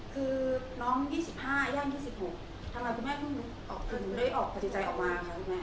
คือน้อง๒๕ย่าง๒๖ทำไมคุณแม่คุณได้ออกปัจจัยออกมาครับคุณแม่